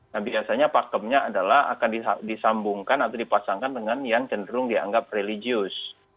nah biasanya pakemnya adalah akan disambungkan atau dipasangkan dengan yang cenderung dianggap religius